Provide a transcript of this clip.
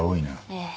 ええ。